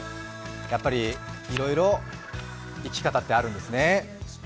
やっぱりいろいろ生き方ってあるんですね。